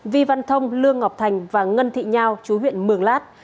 vi văn thông lương ngọc thành và ngân thị nhao chú huyện mường lát